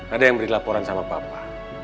ada yang beri laporan sama papa